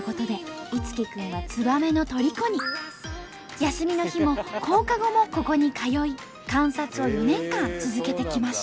休みの日も放課後もここに通い観察を２年間続けてきました。